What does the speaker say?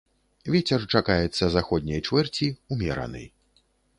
Вецер чакаецца заходняй чвэрці, умераны.